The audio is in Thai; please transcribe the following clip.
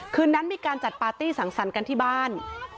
คืนนั้นมีการจัดปาร์ตี้สังสรรค์กันที่บ้าน